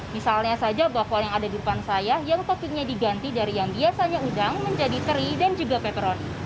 misalnya saja bakwal yang ada di depan saya yang toppingnya diganti dari yang biasanya udang menjadi teri dan juga peperoni